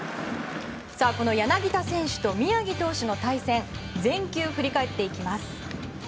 柳田選手と宮城選手の対戦を全球振り返っていきます。